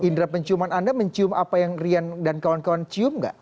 indera penciuman anda mencium apa yang rian dan kawan kawan cium nggak